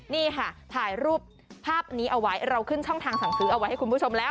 นี่ค่ะถ่ายรูปภาพนี้เอาไว้เราขึ้นช่องทางสั่งซื้อเอาไว้ให้คุณผู้ชมแล้ว